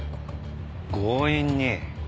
強引に？